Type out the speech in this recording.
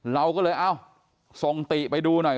เราก็เลยเอ้าส่งติไปดูหน่อย